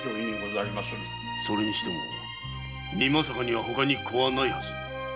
それにしても美作にはほかに子はないはず。